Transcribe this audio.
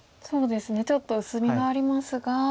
そうですねちょっと薄みがありますが。